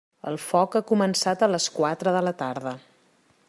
El foc ha començat a les quatre de la tarda.